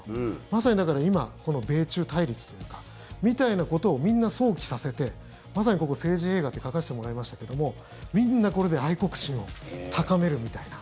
まさに、だから今この米中対立というかみたいなことをみんな想起させてまさに、ここ、政治映画って書かせてもらいましたけどもみんなこれで愛国心を高めるみたいな。